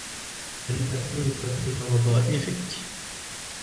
هل أتممت كل وظائفك؟